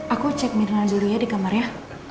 aku cek mirnal dulu ya di kamar ya